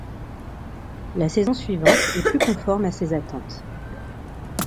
La saison suivante est plus conforme à ses attentes.